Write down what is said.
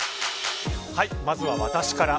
はい、まずは私から。